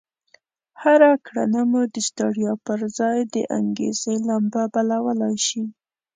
هره کړنه مو د ستړيا پر ځای د انګېزې لمبه بلولای شي.